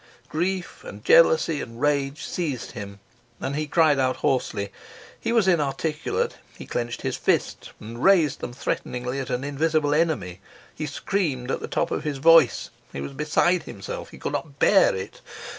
Grief and jealousy and rage seized him, and he cried out hoarsely; he was inarticulate; he clenched his fists and raised them threateningly at an invisible enemy. He screamed at the top of his voice. He was beside himself. He could not bear it.